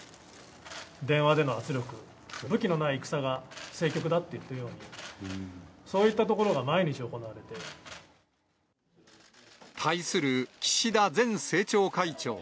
電話での圧力、武器のない戦が政局だって言ってるように、そういったところが毎対する岸田前政調会長。